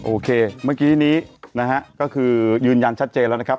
โอเคเมื่อกี้นี้นะฮะก็คือยืนยันชัดเจนแล้วนะครับ